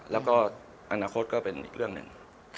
แล้วก็อนาคตก็เป็นอีกเรื่องหนึ่ง